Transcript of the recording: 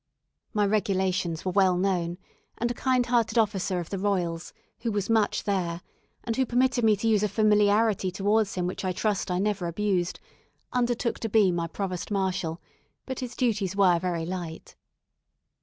My regulations were well known, and a kind hearted officer of the Royals, who was much there, and who permitted me to use a familiarity towards him which I trust I never abused, undertook to be my Provost marshal, but his duties were very light.